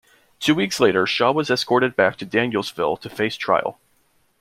Two weeks later, Shaw was escorted back to Danielsville to face trial.